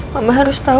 mama harus tau